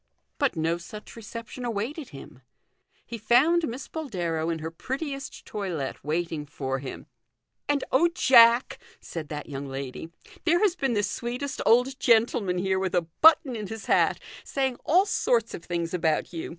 But no such reception awaited him. He found Miss Boldero in her prettiest toilette waiting for him. " And oh, Jack," said that young lady, " there has been the sweetest old gentleman here with a button in his hat, saying all sorts of things about you.